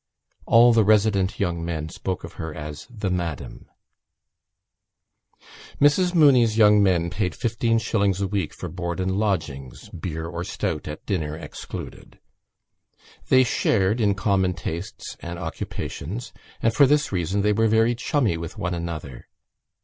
All the resident young men spoke of her as The Madam. Mrs Mooney's young men paid fifteen shillings a week for board and lodgings (beer or stout at dinner excluded). They shared in common tastes and occupations and for this reason they were very chummy with one another.